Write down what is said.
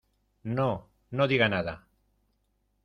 no, no diga nada.